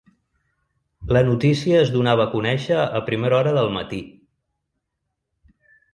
La notícia es donava a conèixer a primera hora del matí.